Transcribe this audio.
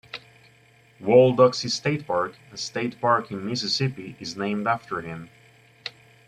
Wall Doxey State Park, a state park in Mississippi, is named after him.